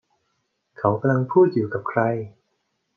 เขากำลังพูดอยู่กับใคร